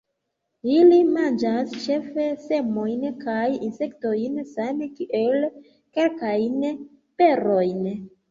Ili manĝas ĉefe semojn kaj insektojn, same kiel kelkajn berojn.